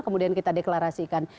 kemudian kita deklarasikan